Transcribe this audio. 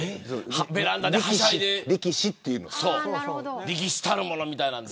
ベランダではしゃいで力士たるものみたいなので。